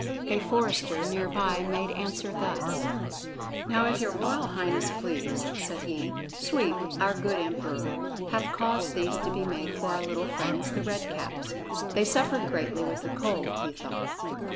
A forester near by made answer thus: "Now if your royal highness please," said he, "Sweep, our good Emperor, hath caused these to be made for our little friends, the Red Caps. They suffered greatly with the cold, he thought."